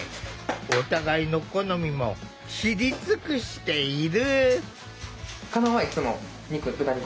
お互いの好みも知り尽くしている。